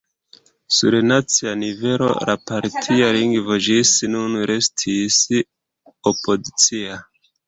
Sur nacia nivelo la partia ligo ĝis nun restis opozicia.